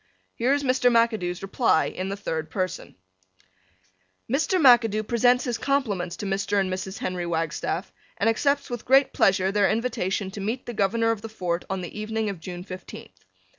Here is Mr. McAdoo's reply in the third person: Mr. McAdoo presents his compliments to Mr. and Mrs. Henry Wagstaff and accepts with great pleasure their invitation to meet the Governor of the Fort on the evening of June fifteenth.